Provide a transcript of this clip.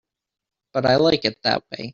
But I like it that way.